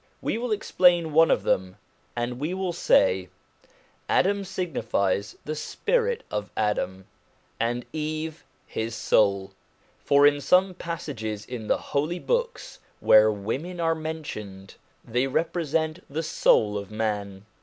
We will explain one of them, and we will say : Adam signifies the spirit of Adam, and Eve his soul. For in some passages in the Holy Books where women are mentioned, they represent the soul of man.